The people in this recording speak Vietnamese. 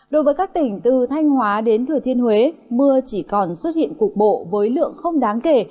đối với các tỉnh từ thanh hóa đến thừa thiên huế mưa chỉ còn xuất hiện cục bộ với lượng không đáng kể